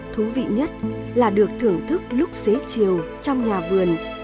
thú vị nhất là được thưởng thức lúc xế chiều trong nhà vườn